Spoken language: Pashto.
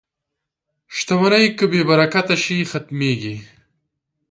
• شتمني که بې برکته شي، ختمېږي.